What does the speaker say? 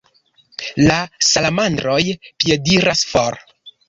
La salamandroj piediras for.